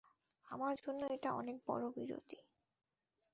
আমার জন্য এটা অনেক বড় বিরতি।